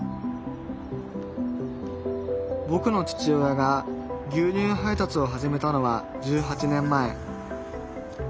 ぼくの父親が牛乳配達を始めたのは１８年前。